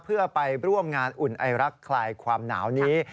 เพื่อไปร่วมงานอุ่นไอรักคลายความหนาวนี้